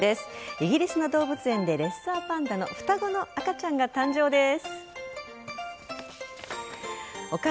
イギリスの動物園でレッサーパンダの双子の赤ちゃんが誕生です。